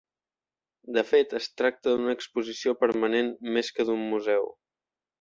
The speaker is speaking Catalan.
De fet es tracta d'una exposició permanent més que d'un museu.